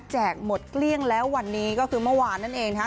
หมดเกลี้ยงแล้ววันนี้ก็คือเมื่อวานนั่นเองนะคะ